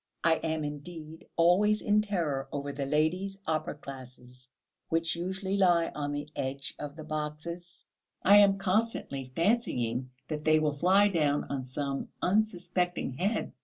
I am indeed always in terror over the ladies' opera glasses which usually lie on the edge of the boxes; I am constantly fancying that they will fly down on some unsuspecting head.